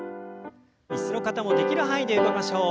椅子の方もできる範囲で動きましょう。